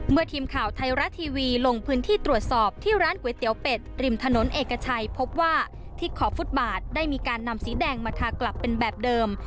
ทีมข่าวไทยรัฐทีวีลงพื้นที่ตรวจสอบที่ร้านก๋วยเตี๋ยวเป็ดริมถนนเอกชัยพบว่าที่ขอบฟุตบาทได้มีการนำสีแดงมาทากลับเป็นแบบเดิม